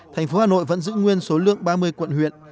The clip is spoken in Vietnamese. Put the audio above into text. tp hà nội vẫn giữ nguyên số lượng ba mươi quận huyện